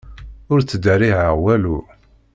Ur ttderriɛeɣ walu.